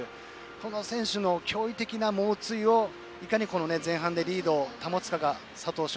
この選手の驚異的な猛追をいかに前半でリードを保つかが佐藤翔